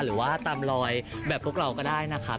หรือว่าตามรอยแบบพวกเราก็ได้นะครับ